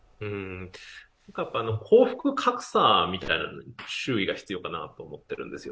幸福格差みたいな周知が必要かなと思っています。